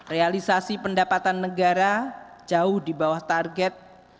realisasi pendapatan negara jauh di bawah target